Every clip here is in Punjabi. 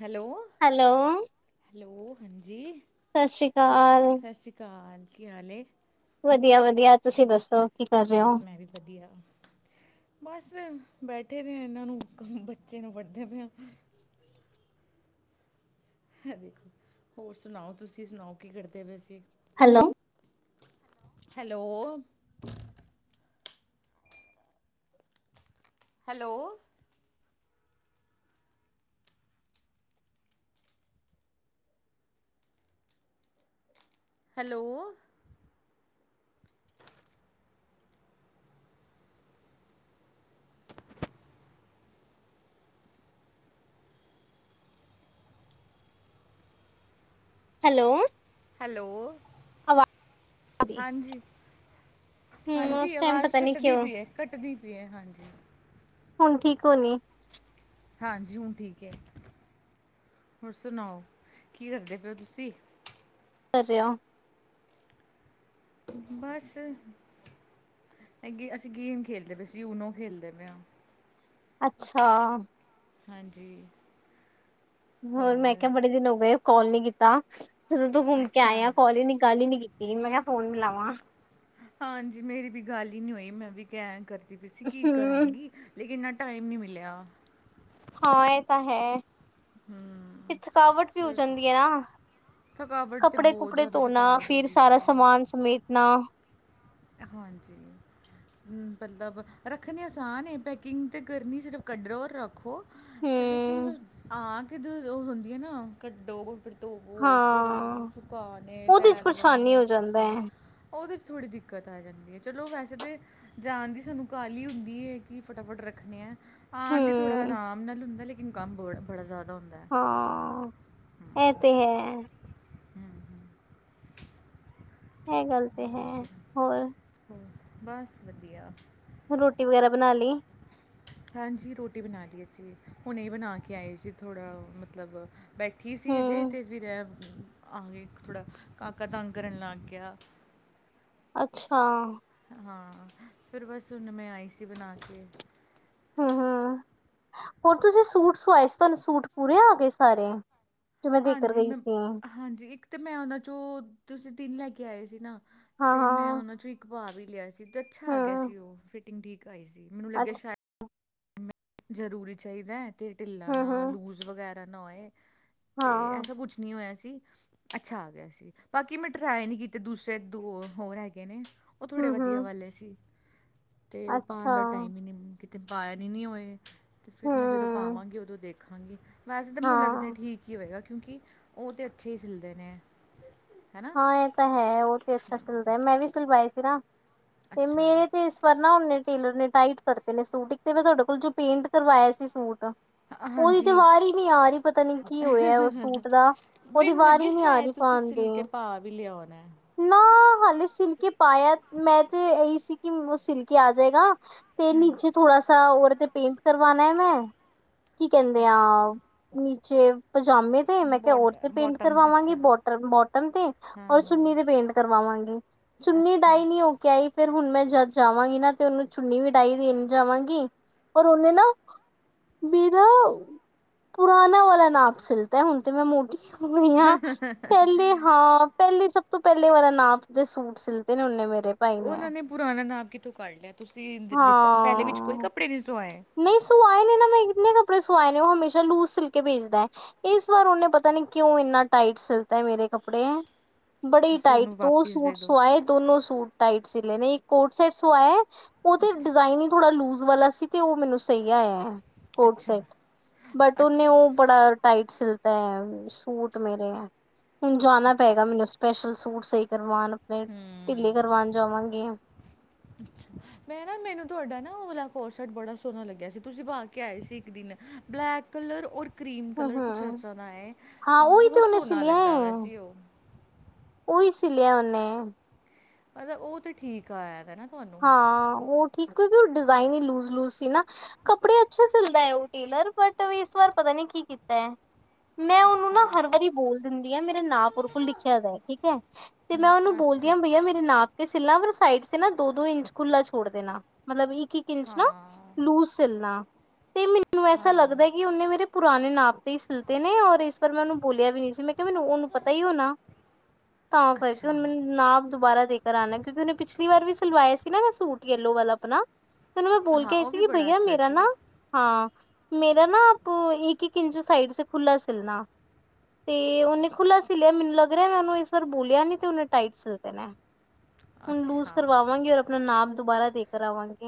ਹੈਲੋ ਹੈਲੋ ਹੈਲੋ ਹਾਂਜੀ ਸਤਿ ਸ੍ਰੀ ਸ ਅਕਾਲ ਸਤਿ ਸ਼੍ਰੀ ਅਕਾਲ ਕੀ ਹਾਲ ਏ। ਵਧੀਆ ਵਧੀਆ ਤੁਸੀਂ ਦੱਸੋ। ਕੀ ਕਰ ਰਹੇ ਹੋ ਬਸ ਮੈਂ ਵੀ ਵਧੀਆ ਬਸ ਬੈਠੇ ਦੇ ਆਂ ਇਹਨਾਂ ਨੂੰ ਬੱਚੇ ਨੂੰ ਪੜ੍ਹਦੇ ਪਏ ਆਂ। ਹੈ ਵੇਖੋ ਹੋਰ ਸੁਣਾਓ ਤੁਸੀਂ ਸੁਣਾਓ ਕੀ ਕਰਦੇ ਪਏ ਸੀ। Hello hello hello hello hello hello ਆਵਾਜ਼ ਹਾਂਜੀ ਹਮ ਉਸ ਹਾਂਜੀ ਟਾਈਮ ਅਵਾਜ਼ ਪਤਾ ਨੀ ਕੱਟਦੀ ਕਿਉਂ ਪਈ ਹੈ ਕੱਟਦੀ ਪਈ ਹੈ ਹਾਂਜੀ ਹੁਣ ਠੀਕ ਹੋਣੀ ਹਾਂਜੀ ਹੁਣ ਠੀਕ ਹੈ ਹੋਰ ਸੁਣਾਓ ਕੀ ਕਰਦੇ ਪਏ ਤੁਸੀਂ ਸ [unintelligible] ਬਸ ਹੈਗੇ ਅਸੀਂ ਗੇਮ ਖੇਡਦੇ ਪ ਅਸੀਂ ਯੂਨੋ ਖੇਡਦੇ ਪਏ ਹਾਂ ਅੱਛਾ ਹਾਂਜੀ ਹੋਰ ਮੈਂ ਕਿਹਾ ਬੜੇ ਦਿਨ ਹੋ ਗਏ ਕਾਲ ਨੀ ਕੀਤਾ ਜਦੋਂ ਤੂੰ ਘੁੰਮ ਕੇ ਆਏ ਅੱਛਾ ਆ ਕਲਨੀ ਗੱਲ ਹੀ ਨੀ ਕੀਤੀ ਮੈਂ ਕਿਹਾ ਫੋਨ ਮ ਲਵਾਂ ਹਾਂਜੀ ਮੇਰੀ ਵੀ ਗੱਲ ਹੀ ਨਹੀਂੀ ਹੋਈ ਮੈਂ ਵੀ ਕਹਿ ਕਰਦੀ ਪਈ ਸੀ ਕੀ ਹਮ ਕਰਾਂਗੀ ਲੇਕਿਨ ਇੰਨਾ ਟਾਈਮ ਨਹੀਂ ਮਿਲਿਆ ਹਾਂ ਇਹ ਤਾਂ ਹੈ ਤੇ ਥਕਾਵਟ ਵੀ ਹੋ ਫਿਰ ਜਾਂਦੀ ਹੈ ਨਾ ਥਕਾਵਟ ਤਾਂ ਕੱਪੜੇ ਬਹੁਤ ਕੁਪੜੇ ਜ਼ਿਆਦਾ ਧੋਣਾ ਥਕਾਵਟ ਹੋ ਫਿਰ ਗਈ ਸਾਰਾ ਸੀ ਸਮਾਮਾਨ ਸਮੇਟਣਾ ਹਾਂਜੀ ਮਤਲਬ ਰੱਖਣੇ ਆਸਾਨ ਹੈ ਪੈਕਿੰਗ ਤਾਂ ਕਰਨੀ ਸਿਰਫ਼ ਕਟਰ ਰੱਖੋ ਲੇਕਿਨ ਹਮ ਹਾਂ ਕਿਧਰ ਉਹ ਹੁੰਦੀਆਂ ਨਾ ਕੱਢੋ ਧਵੋ ਫਿਰ ਹਾਂ ਸੁਕਾਉਣੇ ਉਹਦੇ ਚ ਤੈਰ ਪਰੇਸ਼ਾਨੀ ਲਗਾਉਣੀ ਹੋ ਫਿਰ ਜਾਂਦਾ ਸ ਹੈ ਉਹਦੇ 'ਚਥੋੜ੍ਹੀ ਦਿੱਖ ਦਿੱਕਤ ਆ ਜਾਂਦੀ ਹੈ ਚਲੋ ਵੈਸੇ ਤਾਂ ਜਾਣ ਦੀ ਸਾਨੂੰ ਕਾਹਲੀ ਹੁੰਦੀ ਹੈ ਕਿ ਫਟਾਫਟ ਰੱਖਦੇ ਆ ਆਦੀ ਥੋੜਾ ਹਮ ਆਰਾਮ ਨਾਲ ਹੁੰਦਾ ਲੇਕਿਨ ਕੰਮ ਬ ਬੜਾ ਜ਼ਿਆਦਾ ਹੁੰਦਾ ਹੈ ਹਾਂ ਇਹ ਤੇ ਹੈ ਹਮ ਹਮ ਇਹ ਗੱਲ ਤੇ ਹੈ ਹੋਰ ਸੁ ਹੋਰ ਹੋ ਬਸ ਵਧੀਆ ਰੋਟੀ ਵਗੈਰਾ ਬਣਾ ਲਈ ਹਾਂਜੀ ਰੋਟੀ ਬਣਾ ਲਈ ਅਸੀਂ ਹੁਣ ਇਹ ਬਣਾ ਕੇ ਆਏ ਸੀੀ ਥੋੜ੍ਹਾ ਮਤਲਬ ਬੈਠੀ ਸੀ ਅਜੇ ਹੂੰ ਤੇ ਫਿਰ ਆ ਗ ਥੋੜ੍ਹਾ ਕਾਕਾ ਤੰਗ ਕਰਨ ਲੱਗ ਗਿਆ ਅੱਛਾ ਹਾਂ ਫਿਰ ਬਸ ਹੁਨ ਮੈਂ ਆਈ ਸੀ ਬਣਾ ਕੇ ਹਮ ਹਮ ਹੋਰ ਤੁਸੀਂ ਸੂਟ ਸਵਾਏ ਸੀ ਤੁਹਾਨੂੰ ਸੂਟ ਪੂਰੇ ਆ ਗਏ ਸਾਰੇ ਜੋ ਮੈਂ ਦੇਖ ਕਰ ਹਾਂਜੀ ਗਈ ਮੈਂ ਸੀ ਹਾਂਜੀ ਇੱਕ ਤਾਂ ਮੈਂ ਉਹਨਾਂ ਚੋਂ ਤੁਸੀਂ ਦਿਨ ਲੈ ਕੇ ਆਏ ਸੀ ਨਾ ਹਾਂ ਤੇ ਮੈਂ ਹਾਂ ਉਹਨਾਂ ਚੋਂ ਇੱਕ ਭਅ ਵੀ ਲਿਆ ਸੀ ਤੇ ਅੱਛਾ ਆ ਗਿਆ ਹੂੰ ਸੀ ਉਹ ਫਿਟਿੰਗ ਠੀਕ ਆਈ ਸੀ ਮੈਨੂੰ ਲੱਗਿਆ ਅੱਛਾ ਸ਼ਾਇਦ ਜ਼ਰੂਰੀ ਚਾਹੀਦਾ ਹੈ ਤੇ ਢਿੱਲਾ ਹੂੰ ਨਾ ਹੂੰ ਲੂਜ ਵਗੈਰਾ ਨਾ ਹੋਏ ਤੇ ਹਾਂ ਐਸਾ ਕੁਛ ਨਹੀਂੀ ਹੋਇਆ ਸੀ ਅੱਛਾ ਆ ਗਿਆ ਸੀ ਬਾਕੀ ਮੈਂ ਟਰਾਏ ਨਹੀਂੀ ਕੀਤੇ ਦੂਸਰੇ ਦੋ ਹੋਰ ਹੈਗੇ ਨੇ ਉਹ ਥੋੜ੍ਹੇ ਹੂੰ ਹੂੰ ਵਧੀਆ ਵਾਲੇ ਸੀ ਅਤੇ ਉਹ ਅੱਛਾ ਪਾਉਣ ਦਾ ਟਾਈਮ ਹੀ ਨਹੀਂ ਕਿਤੇ ਪਾਇਆ ਨਹੀਂ ਨਹੀਂ ਹੋਏ ਅਤੇ ਫਿਰ ਮੈਂ ਜਦੋਂ ਹੂੰ ਪਾਵਾਂਗੀ ਉਦੋਂ ਦੇਖਾਂਗੀ ਵੈਸੇ ਤਾਂ ਹਾਂ ਮੈਨੂੰ ਲੱਗਦਾ ਠੀਕ ਕੀ ਹੋਵੇਗਾ ਕਿਉਂਕਿ ਉਹ ਤਾਂ ਅੱਛੇ ਹੀ ਸਿਲਦੇ ਨੇ ਹੈਨਾ ਹਾਂ ਇਹ ਤਾਂ ਹੈ ਉਹ ਤੇ ਅੱਛਾ ਸਿਲਦਾ ਮੈਂ ਵੀ ਸਿਲਵਾਏ ਸੀ ਨਾ ਤੇ ਅੱਛਾ ਮੇਰੇ ਤੇ ਇਸ ਵਾਰ ਨਾ ਨੇ ਟੇਲਰ ਨੇ ਟਾਈਟ ਕਰਤੇ ਨੇ ਸੂਟ ਇੱਕ ਤੇ ਮੈਂ ਤੁਹਾਡੇ ਕੋਲ ਜੋ ਪੇਂਟ ਕਰਵਾਇਆ ਸੀ ਸੂਟ ਹਾਂ- ਉਹਦੀ ਤੇ ਹਾਂਜੀ ਵਾਰ ਹੀ ਨਹੀਂੀ ਆ ਰਹੀ ਪਤਾ ਨੀ ਕੀ ਹੋਇਆ ਉਹ ਸੂਟ ਦਾ ਉਹਦੀ ਮੈਨੂੰ ਵਾਰ ਲੱਗਿਆ ਹੀ ਨਹੀਂੀ ਆ ਸ਼ਾਇਦ ਰਹੀ ਤੁਸੀਂ ਪਾਉਣ ਸਿਲਕੇ ਦੀ ਭਾਅ ਵੀ ਲਿਆਉਣਾ ਨਾ ਹਾਲੇ ਸਿਲਕੇ ਪਾਇਆ ਮੈਂ ਤੇ ਇਹੀ ਸੀ ਕਿ ਉਹ ਸਿਲਕੇ ਆ ਜਾਏਗਾ ਤੇ ਨੀਚੇ ਥੋੜਾ ਸਾ ਦੇ ਤੇ ਪੇਂਟ ਕਰਵਾਣਾ ਹੈ ਮੈਂ ਕੀ ਕਹਿੰਦੇ ਆ ਅੱਛਾ ਨੀਚੇ ਪਜਾਮੇ ਤੇ ਮੈਂ ਕਿਹਾ ਹੋਰ ਬੋਡ ਤੇ ਪੇਂਟ ਬੋਟਮ ਕਰਵਾਵਾਂਗੀ ਅੱਛਾ ਬੋਟ ਬੋਟਮ ਤੇ ਹਾਂ ਔਰ ਚੁੰਨੀ ਦੇ ਹਾਂ ਪੇਂਟ ਕਰਵਾਵਾਂਗੇ ਚੁੰਨੀ ਅੱਛਾ ਡਾਈ ਨਹੀਂੀ ਹੋ ਕ ਹੀ ਫਿਰ ਹੁਣ ਮੈਂ ਜਦ ਜਾਵਾਂਗੀ ਨਾ ਤੇ ਉਹਨੂੰ ਛੁਨੀ ਵੀਟਾਈ ਦੇਣ ਜਾਵਾਂਗੀ ਔਰ ਉਹਨੇ ਨਾ ਬੀਬੋ ਪੁਰਾਨਾ ਵਾਲਾ ਨਾਪ ਸਿਲਤਾ ਹੁਣ ਤੇ ਮੈਂ ਮੋਟੀ ਹੋਈਆਂ ਪਹਿਲੇ ਹਾ। ਪੇਲੇ ਸਭ ਤੋ ਪੇਲੇ ਵਾਲਾ ਨਾਪ ਦੇ ਸੂਟ ਸਿਲਤੇ ਨੇ ਉਹਨੇ ਮੇਰੇ। ਉਨਾ ਨੇ ਪੁਰਾਣਾ ਨਾਪ ਕਿੱਥੋਂ ਕੱਢ ਲਿਆ ਤੁਸੀਂ ਦਿੱਤ ਪਹਿਲੇ ਵਿੱਚ ਕੋਈ ਕੱਪੜੇ ਨਹੀਂ ਸਵਾਏ। ਨੀ ਸੂਆਏ ਨੇ ਨਾ ਮੈਂ ਕਿੰਨੇ ਕੱਪੜੇ ਸਵਾਏ ਨੇ ਉਹ ਹਮੇਸ਼ਾ ਲੂਜ ਸਿਲ ਕੇ ਭੇਜਦਾ। ਇਸ ਵਾਰ ਉਨੇ ਪਤਾ ਨੀ ਕਿਉਂ ਇੰਨਾ ਟਾਈਟ ਸਿਲਤਾ ਮੇਰੇ ਕੱਪੜੇ ਹੈ। ਬੜੇ ਤੁਸੀਂ ਟਾਈਟ ਉਹਨੂੰ ਦੋ ਵਾਪਿਸ ਦੇ ਸੂਟ ਦਿਓ ਸਵਾਏ ਦੋਨੋ ਸੂਟ ਟਾਈਟ ਸਿਲੈ ਨੇ ਇੱਕ ਕੋਟ ਸੈਟ ਸੁਆਐ ਉਹ ਤੇ ਅੱਛਾ ਡਿਜ਼ਾਇਨ ਹੀ ਥੋੜਾ ਲੂਜ ਵਾਲਾ ਸੀ ਤੇ ਉਹ ਮੈਨੂੰ ਸਹੀ ਆਯਾ। ਕੋਡ ਅੱਛਾ ਸੈਟ ਬਟ ਉਹਨੇ ਅੱਛਾ ਉਹ ਬੜਾ ਟਾਈਟ ਸਿਲਤਾ ਹੈ ਸੂਟ ਮੇਰੇ ਹੁਣ ਜਾਣਾ ਅੱਛਾ ਪਏਗਾ ਮੈਨੂੰ ਸਪੈਸ਼ਲ ਸੂਟ ਸਹੀ ਕਰਵਾਉਣ ਆਪਣੇ ਢਿੱਲੇ ਕਰਵਾਣ ਜਾਵਾਂਗੀ। [unintelligible] ਮੈਂ ਨਾ ਮੈਨੂੰ ਤੁਹਾਡਾ ਨਾ ਓਲਾ ਕੋਡ ਸੈਟ ਬੜਾ ਸੋਹਣਾ ਲੱਗਿਆ ਸੀ ਤੁਸੀਂ ਪਾ ਕੇ ਆਏ ਸੀ ਇੱਕ ਦਿਨ ਬਲੈਕ ਕਲਰ ਔਰ ਕਰੀਮ ਹੂੰ ਕਲਰ ਕੁਛ ਹੂੰ ਇਸਰਾ ਦਾ ਹੈ ਹਾਂ ਉਹੀ ਤੇ ਬਹੁਤ ਉਹਨੇ ਸੋਹਣਾ ਸਿਲਿਆ ਲੱਗਦਾ ਪਿਆ ਸੀ ਉਹ। ਉਈ ਸਿਲਿਆ ਉਹਨੇ। ਅਲ ਉਹ ਤੇ ਠੀਕ ਆਇਆ ਦਾ ਨਾ ਤੁਹਾਨੂੰ ਹਾਂ ਉਹ ਠੀਕ ਕਿਉਂਕਿ ਉਹ ਡਿਜ਼ਾਇਨ ਹੀ ਲੂਜ-ਲੂਜ ਸੀ ਨਾ। ਕੱਪੜੇ ਅੱਛੇ ਸਿਲਦਾ ਹੈ ਉਹ ਟੇਲਰ ਬਟ ਇਸ ਵਾਰ ਪਤਾ ਨੀ ਕੀ ਕੀਤਾ। ਮੈਂ ਉਹਨੂੰ ਨਾ ਅੱਛਾ ਹਰ ਵਾਰੀ ਬੋਲ ਦਿੰਦੀ ਹਾ ਮੇਰਾ ਨਾਪ ੳਹਦੇ ਕੋਲ ਲਿਖਿਆ ਦਾ ਠੀਕ ਹੈ। ਤੇ ਮੈਂ ਹੂੰ ਉਹਨੂੰ ਬੋਲਦੀ ਅੱਛਾ ਹਾਂ ਬਈਆ ਮੇਰੇ ਨਾਪ ਸਿੱਲਾਂ ਪਰ ਸਾਈਡ ਸੇ ਨਾ ਦੋ-ਦੋ ਇੰਚ ਖੁੱਲਾ ਛੋੜ ਦੇਣਾ ਮਤਲਬ ਇੱਕ ਇ ਇੰਚ ਨਾ ਹਾਂ ਲੂਜ ਸਿਲਣਾ ਤੇ ਮੈਨੂੰ ਐਸਾ ਹਾਂ ਲੱਗਦਾ ਕਿ ਉਹਨੇ ਮੇਰੇ ਪੁਰਾਣੇ ਨਾਪ ਤੇ ਹੀ ਸਿਲਤੇ ਨੇ ਔਰ ਇਸ ਵਾਰ ਮੈਂ ਉਹਨੂੰ ਬੋਲਿਆ ਵੀ ਨਹੀਂ ਸੀ ਮੈਂ ਕਿਹਾ ਮੈਨੂੰ ਉਹਨੂੰ ਪਤਾ ਹੀ ਹੋਨਾ। ਤਾਂ ਕਰਕੇ ਹੁਣ ਅੱਛਾ ਮੈਨੂੰ ਨਾਪ ਦੁਬਾਰਾ ਦੇ ਕਰਾਣਾ ਕਿਉਂਕਿ ਉਹਨੇ ਪਿਛਲੀ ਵਾਰ ਵੀ ਸਿਲਵਾਏ ਸੀ ਨਾ ਮੈਂ ਸੂਟ ਯੈਲੋ ਵਾਲਾ ਆਪਨਾ। ਉਹਨੂੰ ਮੈਂ ਬੋਲ ਹਾਂ, ਕੇ ਆਈ ਉਹ ਵੀ ਸੀ ਬੜਾ ਬਈਆ ਅੱਛਾ ਮੇਰਾ ਨਾ ਸੀ। ਹਾਂ ਮੇਰਾ ਨਾ ਆਪ ਇੱਕ-ਇੱਕ ਇੰਚ ਸਾਈਡ ਸੇ ਖੁਲਾ ਸਿਲਨਾ। ਤੇ ਉਹਨੇ ਖੁੱਲਾ ਸਿਲਿਆ ਮੈਨੂੰ ਲੱਗ ਰਿਹਾ ਮੈਂ ਉਹਨੂੰ ਇਸ ਵਾਰ ਬੋਲਿਆ ਨੀ ਤੇ ਉਹਨੇ ਟਾਈਟ ਸਿਲ ਤੇ ਨੇ। ਹੁਣ ਲੂਜ ਅੱਛਾ, ਕਰਵਾਵਾਂਗੀ ਔਰ ਅਪਣਾ ਨਾਪ ਦੁਬਾਰਾ ਦੇ ਕਰ ਆਵਾਂਗੇ।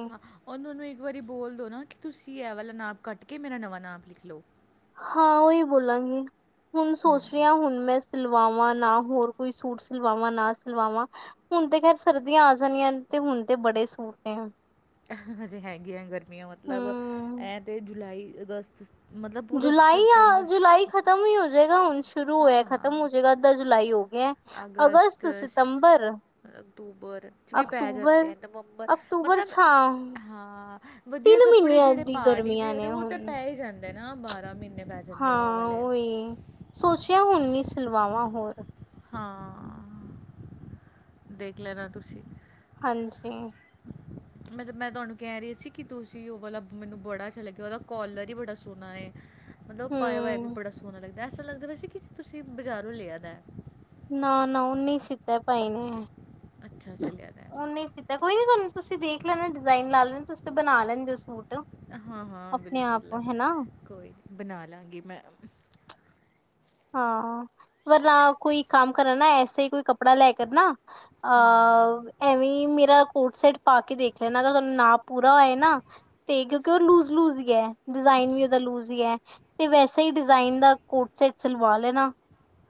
ੳਨੂੰ ਨੂੰ ਇੱਕ ਵਾਰੀ ਬੋਲ ਦੋ ਨਾ ਕਿ ਤੁਸੀਂ ਇਹ ਵਾਲਾ ਨਾਪ ਕੱਟ ਕੇ ਮੇਰਾ ਨਵਾ ਨਾਪ ਲਿਖ ਲੋ। ਹਾਂ ਉਹੀ ਬੋਲਾਂਗੀ ਹੁਣ ਸੋਚ ਰਹੀਹਾ ਹੁਣ ਮੈਂ ਸਿਲਵਾਵਾਂ ਨਾ, ਹੋਰ ਕੋਈ ਸੂਟ ਸਿਲਵਾਵਾਂ ਨਾ ਸਿਲਵਾਵਾਂ ਹੁਣ ਤੇ ਖੈਰ ਸਰਦੀਆਂ ਆ ਜਾਣੀਆਂ ਨੇ ਤੇ ਹੁਣ ਤੇ ਬੜੇ ਸੂਟ ਨੇ। ਹਜੇ ਹੈਗੀਆਂ ਗਰਮੀਆਂ ਮਤਲਬ ਐ ਤੇ ਜੁਲਾਈ, ਅਗਸਤ ਮਤਲਬ ਪੂਰਾ ਜੁਲਾਈ ਆ ਸਤੰਬਰ ਜੁਲਾਈ ਖਤਮ ਹੀ ਹੋਜੇਗਾ ਹੁਣ ਸ਼ੁਰੂ ਹੋਇਆ ਹਾਂ, ਖਤਮ ਹੋ ਹਾਂ ਜੇਗਾ ਅੱਧਾ ਜੁਲਾਈ ਹੋ ਗਿਆ। ਅਗਸਤ ਸ ਅਕਤੂਬਰ ਚ ਵੀ ਪੈ ਜਾਂਦੇ ਅਕਤੂਬਰ, ਐ ਨਵੰਬਰ ਅਕਤੂਬਰ ਮਤਲਬ ਛਾਂ ਹਾਂ ਵਧੀਆ ਤਿੰਨ ਕੱਪੜੇ ਮਹੀਨਿਆਂ ਜਿਹੜੇ ਦੀ ਪਾਰਟੀ ਗਰਮੀਆਂ ਵਿਅਰ ਨੇ ਉਹ ਤਾ ਹੁਣ ਪੈ ਹੀ ਜਾਂਦੇ ਨਾ ਬਾਰਾਂ ਮਹੀਨੇ ਪ ਹਾਂ ਓਹੀ ਸੋਚਿਆ ਹੁਣ ਨੀ ਸਿਲਵਾਵਾਂ ਹੋਰ। ਹਾਂ ਦੇਖ ਲੈਣਾ ਤੁਸੀ। ਹਾਂਜੀ। ਮਤਲਬ ਮੈਂ ਤੁਹਾਨੂੰ ਕਹਿ ਰਹੀ ਸੀ ਕਿ ਤੁਸੀਂ ਉਹ ਵਾਲਾ ਮੈਨੂੰ ਬੜਾ ਅੱਛਾ ਲੱਗਿਆ ਉਹਦਾ ਕੋਲਰ ਹੀ ਬੜਾ ਸੋਨਾ ਏ। ਮਤਲਬ ਪਾਇਆ ਹੋਇਆ ਵੀ ਹੂੰ ਬੜਾ ਸੋਹਣਾ ਲੱਗਦਾ ਐਸਾ ਲੱਗਦਾ ਪਿਆ ਸੀ ਕਿ ਤੁਸੀਂ ਬਜ਼ਾਰੋ ਲਿਆ ਦੇ। ਨਾ-ਨਾ ਉਨੇ ਹੀ ਸੀਤੇ ਭਾਈ ਅੱਛਾ ਨੇ ਸੇ ਲਿਆ ਦਾ ਹੈ ਉਨੇ ਸੀ ਤੇ ਕੋਈ ਨੀ ਤੁਹਾਨੂੰ ਤੁਸੀਂ ਦੇਖ ਲੈਣਾ ਡਿਜ਼ਾਇਨ ਲਾ ਲੈਣੇ ਤੁਸੀਂ ਬਣਾ ਲੈਦੇ ਹੋ ਸੂਟ। ਹਾਂ-ਹਾਂ ਆਪਣੇ ਆਪ ਬਿਲਕੁਲ ਹਨਾ ਕੋਈ ਨੀ ਬਣਾ ਲਾਂਗੀ ਮੈਂ। ਹਾਂ ਵਰਨਾ ਕੋਈ ਕੰਮ ਕਰਨ ਨਾ ਐਸੇ ਹੀ ਕੋਈ ਕੱਪੜਾ ਲੈ ਕਰ ਨਾ ਅਹ ਐਵੇਂ ਹੀ ਮੇਰਾ ਕੋਟ ਸੈਟ ਪਾ ਕੇ ਦੇਖ ਲੈਣਾ ਅਗਰ ਤੁਹਾਨੂੰ ਨਾਪ ਪੂਰਾ ਹੋਆ ਨਾ ਤੇ ਕਿਉਂਕਿ ਉਹ ਲੂਜ ਲੂਜ ਹੀ ਹੈ ਡਿਜ਼ਾਇਨ ਵੀ ਅੱਛਾ ਉਹਦਾ ਲੂਜ ਹੀ ਹੈ। ਤੇ ਵੈਸਾ ਹੀ ਡਿਜ਼ਾਇਨ ਦਾ ਕੋਟ ਸੈਟ ਸਿਲਵਾ ਲੈਣਾ।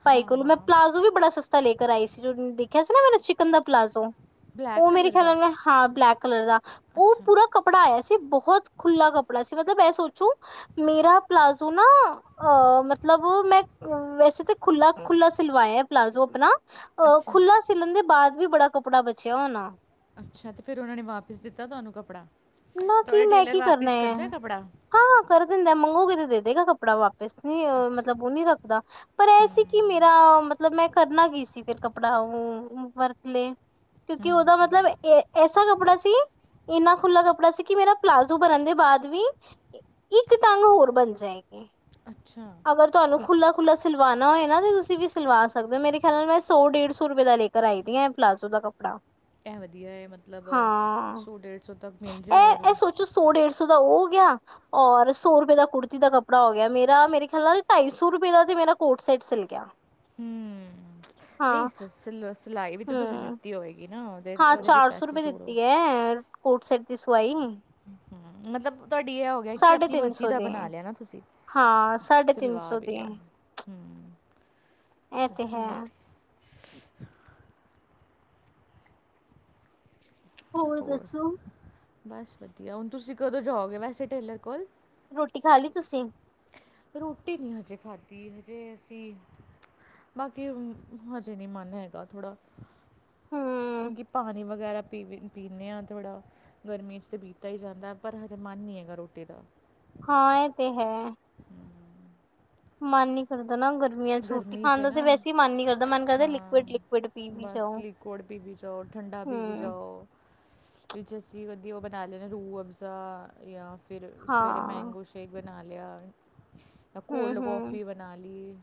ਭਾਈ ਹਾਂ ਕੋਲੂ ਮੈਂ ਹਾਂ ਪਲਾਜ਼ੋ ਵੀ ਬੜਾ ਸਸਤਾ ਲੈ ਕਰ ਆਈ ਸੀ, ਜੋ ਦੇਖਿਆ ਸੀ ਨਾ ਮੇ ਚਿਕਨ ਦਾ ਪਲਾਜ਼ੋ ਬਲੈਕ ਉ ਮੇਰੇ ਕਲਰ ਦਾ ਖਿਆਲ ਨਾਲ ਹਾਂ ਬਲੈਕ ਕਲਰ ਦਾ ਉਹ ਅੱਛਾ ਪੂਰਾ ਕੱਪੜਾ ਆਇਆ ਸੀ ਬਹੋਤ ਖੁੱਲਾਂ ਕੱਪੜਾ ਸੀ ਮਤਲਬ ਏ ਸੋਚੋ ਮੇਰਾ ਪਲਾਜ਼ੋ ਨਾ ਅ ਮਤਲਬ ਮੈਂ ਅ ਵੈਸੇ ਤੇ ਖੁਲਾ ਖੁਲਾ ਸਿਲਵਾਇਆ ਪਲਾਜੋ ਆਪਣਾ ਅ ਅੱਛਾ ਖੁਲਾ ਸਿਲਣ ਦੇ ਬਾਅਦ ਵੀ ਬੜਾ ਕੱਪੜਾ ਬਚਿਆ ਹੋਨਾ ਅੱਛਾ ਤੇ ਫੇਰ ਉਨਾਂ ਨੇ ਵਾਪਿਸ ਦਿੱਤਾ ਤੁਹਾਨੂੰ ਕੱਪੜਾ? ਨਾ ਕਿ ਤੁਹਾਡਾ ਮੈਂ ਟੇਲਰ ਕੀ ਕਰਨਾ ਵਾਪਿਸ ਹੈ ਕਰਦਾ ਏ ਕੱਪੜਾ? ਹਾਂ ਕਰ ਦਿੰਦਾ ਮੰਗੋਗੇ ਤੇ ਦੇ ਦੇਗਾ ਕੱਪੜਾ ਵਾਪਿਸ ਨੀ ਅ ਅੱਛਾ ਮਤਲਬ ਉਹ ਨੀ ਰੱਖਦਾ ਪਰ ਇਹ ਸੀ ਕਿ ਹੂੰ ਮੇਰਾ ਮਤਲਬ ਮੈਂ ਕਰਨਾ ਕੀ ਸੀ ਫਿਰ ਕੱਪੜਾ ਉ ਵਰਤ ਲੇ ਕਿਉਂਕਿ ਹੂੰ ਉਹਦਾ ਮਤਲਬ ਐ ਐਸਾ ਕੱਪੜਾ ਸੀ ਇੰਨਾ ਖੁੱਲਾ ਕੱਪੜਾ ਪੜਾ ਸੀ ਕਿ ਮੇਰਾ ਪਲਾਜ਼ੋ ਬਣਨ ਦੇ ਬਾਦ ਵੀ ਇੱਕ ਟੰਗ ਹੋਰ ਬਣ ਜਾਏਗੀ। ਅੱਛਾ। ਅਗਰ ਤੁਆਨੂੰ ਖੁੱਲਾ-ਖੁੱਲਾ ਸਿਲਵਾਨਾ ਹੋਏ ਨਾ ਤੇ ਤੁਸੀਂ ਵੀ ਸਿਲਵਾ ਸਕਦੇ ਹੋ ਮੇਰੇ ਖਿਆਲ ਨਾਲ ਮੈਂ ਸੌ ਡੇਢ ਸੌ ਰੁਪਏ ਦਾ ਲੈਖ ਕਰਾਈ ਦੀਆਂ ਪਲਾਜ਼ੋ ਦਾ ਕੱਪੜਾ ਇਹ ਵਧੀਆ ਹੈ ਮਤਲਬ ਹਾਂ ਸੌ ਡੇਢ ਸੌ ਤੱਕ ਮਿਲ ਜਾਵ ਔਰ ਇਹ ਇਹ ਸੋਚੋ ਸੌ ਡੇਢ ਸੌ ਦਾ ਉਹ ਹੋ ਗਿਆ ਔਰ ਸੌ ਰੁਪਏ ਦਾ ਕੁੜਤੀ ਦਾ ਕੱਪੜਾ ਹੋ ਗਿਆ ਮੇਰਾ ਮੇਰੇ ਟਾਈ ਸੌ ਰੁਪਏ ਦਾ ਤੇ ਮੇਰਾ ਕੋਟ ਸੈਟ ਸਿਲ ਗਯਾ। ਹੂੰ ਨਈ ਸ ਸ ਸਿਲਾਈ ਵੀ ਤੇ ਤੁਸੀਂ ਹੂੰ ਦਿੱਤੀ ਹੋਵੇਗੀ ਨਾ ਉਹਦੇ ਹਾਂ ਉਹਦੇ ਵੀ ਚਾਰ ਸੌ ਪੈਸੇ ਰੁਪਏ ਜੋੜੋ ਦਿੱਤੀ ਹੈ ਕੋਟ ਸੈਟ ਦੀ ਸਵਾਈ ਹੂੰ ਮਤਲਬ ਤੁਹਾਡੀ ਇਹ ਹੋ ਗਿਆ ਕਿ ਸਾਢੇ ਆਪਣੀ ਤਿੰਨ ਮਰਜ਼ੀ ਸੌ ਦਾ ਦੀ ਬਣਾ ਹੈ। ਲਿਆ ਨਾ ਤੁਸੀਂ ਹਾਂ ਸਾਢੇ ਤਿੰਨ ਸਲਵਾ ਸੌ ਵੀ ਦੀ ਲਿਆ। ਹੂੰ ਇਹ ਤੇ ਹੈ। ਵਧੀਆ ਹੋਰ ਬਸ ਵਦੀਆ ਹੁਣ ਤੁਸੀਂ ਕਦੋਂ ਜਾਓਗੇ ਵੈਸੇ ਟੇਲਰ ਕੋਲ ਰੋਟੀ ਖਾ ਲੀ ਤੁਸੀਂ? ਰੋਟੀ ਨੀ ਹਜੇ ਖਾਧੀ ਹਜੇ ਅਸੀਂ ਬਾਕੀ ਹਜੇ ਨੀ ਮਨ ਹੈਗਾ ਥੋੜ੍ਹਾ ਹੂੰ ਕਿਉਂਕਿ ਪਾਨੀ ਵਗੈਰਾ ਪੀ ਪੀਂਨੇ ਹਾਂ ਥੋੜ੍ਹਾ ਗਰਮੀ 'ਚ ਤੇ ਪੀਤਾ ਹੀ ਜਾਂਦਾ ਪਰ ਹਜੇ ਮਨ ਨੀ ਹੈਗਾ ਰੋਟੀ ਦਾ। ਹਾਂ ਏ ਤੇ ਹੈ ਹੂੰ ਮਾਨ ਨੀ ਕਰਦਾ ਨਾ ਗਰਮੀਆਂ ਚ ਰੋਟੀ ਗਰਮੀ ਖਾਣ ਦਾ ਤੇ ਨਾ ਵੈਸੇ ਮਨ ਨੀ ਕਰਦਾ ਮਨ ਕਰਦਾ ਲਿਕਵੀਡ- ਲਿਕਵੀਡੀ ਪੀ ਵੀ ਜ਼ਾ ਸਲੀਕੁਡ ਵੀ ਵੀ ਜਾਓ ਠੰਡਾ ਵੀ ਵੀ ਜਾਓ। ਜੱਸੀ ਵਦੀ ਉ ਬਣਾ ਲੈਂ ਰੂਅਫਜ਼ਾ ਯਾ ਫਿਰ ਸਵੇਰੇ ਹਾਂ ਮੈਂਗੋ ਸ਼ੈ ਕੇਕ ਬਣਾ ਲਿਆ, ਹੂੰ ਕੋਲਡ ਹੂੰ ਕੌਫੀ ਬਣਾ ਲੀ।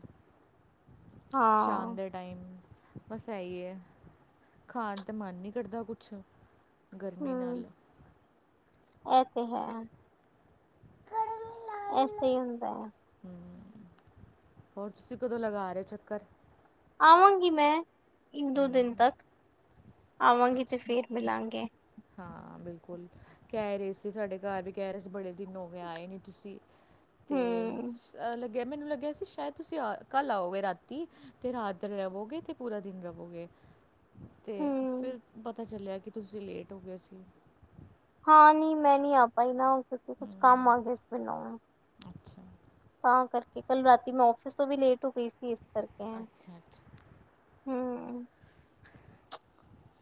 ਸ਼ਾਮ ਹਾਂ ਦੇ ਟਾਈਮ ਬਸ ਏਈ ਐ, ਖਾਣ ਤੇ ਮਨ ਨੀ ਕਰਦਾ ਕੁਛ ਗਰਮੀ ਨਾਲ ਏਤੇ ਹੈ ਇਸਤੇ ਹੀ ਹੁੰਦਾ ਹੈ। ਹੂੰ ਹੋਰ ਤੁਸੀਂ ਕਦੋਂ ਲਗਾ ਰਹੇ ਹੋ ਚੱਕਰ? ਆਵਾਂਗੀ ਮੈਂ ਇੱਕ ਦੋ ਦਿਨ ਤੱਕ ਆਵਾਂਗੀ ਤੇ ਅੱਛਾ ਫਿਰ ਮਿਲਾਂਗੇ। ਹਾਂ ਬਿਲਕੁਲ ਕੇ ਰਹੇ ਸੀ ਸਾਡੇ ਘਰ ਵੀ ਕੇ ਰਹੇ ਸੀ ਬੜੇ ਦਿਨ ਹੋ ਗੇ ਆਏ ਨੀ ਤੁਸੀਂ। ਤੇ ਹੂੰ ਲੱਗੇਆ ਮੈਨੂੰ ਲੱਗੇਆ ਸੀ ਸ਼ਾਇਦ ਤੁਸੀਂ ਆ ਕੱਲ੍ਹ ਆਓਗੇ ਰਾਤੀ ਤੇ ਰਾਤ ਰਵੋਗੇ ਤੇ ਪੂਰਾ ਦਿਨ ਰਵੋਗੇ। ਤੇ ਹੂੰ ਫਿਰ ਪਤਾ ਚੱਲਿਆ ਕਿ ਤੁਸੀਂ ਲੇਟ ਹੋ ਗੇ ਸੀ। ਹਾਂ ਨੀ ਮੈਂ ਨੀ ਆ ਪਾਈ ਨਾ, ਕਿਉਂਕਿ ਕੁਛ ਕੰਮ ਆ ਗਿਆ ਸੀ ਮੈਨੂੰ, ਅੱਛਾ ਤਾਂ ਕਰਕੇ ਕੱਲ ਰਾਤੀ ਮੈਂ ਆਫ਼ਿਸ ਤੋਂ ਵੀ ਲੇਟ ਹੋ ਗਈ। ਸੀ ਇਸ ਕਰਕੇ ਅੱਛਾ-ਅੱਛਾ ਹੂੰ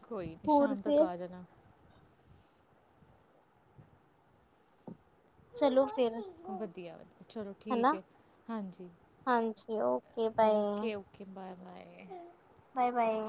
ਕੋਈ ਨਹੀਂ ਹੋਰ ਸ਼ਾਮ ਤੱਕ ਫਿਰ ਆ ਜਾਣਾ ਚਲੋ ਫਿਰ ਵਧੀਆ ਵਧੀਆ ਚਲੋ ਠੀਕ ਹਨਾ ਹੈ ਹਾਂਜੀ ਹਾਂਜੀ okay bye okay okay bye bye bye bye